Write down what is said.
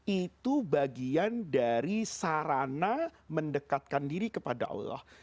itu bagian dari sarana mendekatkan diri kepada allah